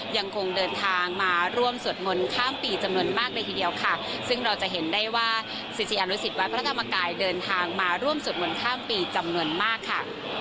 ยังคงเดินทางมาร่วมสวดมนต์ข้ามปีจำนวนมากเลยทีเดียวค่ะซึ่งเราจะเห็นได้ว่าศิษยานุสิตวัดพระธรรมกายเดินทางมาร่วมสวดมนต์ข้ามปีจำนวนมากค่ะ